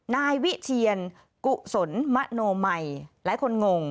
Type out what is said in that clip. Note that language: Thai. นายวิเทียนกุศลมโนมัยหลายคนงง